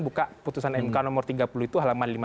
buka putusan mk nomor tiga puluh itu halaman